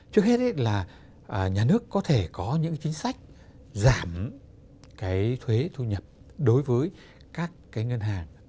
trước hết là nhà nước có thể có những cái chính sách giảm cái thuế thu nhập đối với các cái ngân hàng